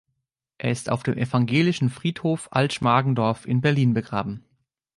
Er ist auf dem Evangelischen Friedhof Alt-Schmargendorf in Berlin begraben.